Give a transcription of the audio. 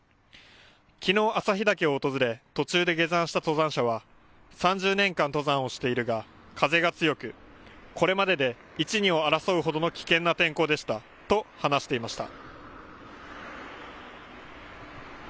きのう朝日岳を訪れ、途中で下山した登山者は３０年間登山をしているが風が強く、これまでで一二を争うほどの危険な天候でしたと話していました。